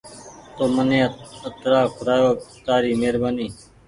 تو مني اترآن کورآيو تآري مهربآني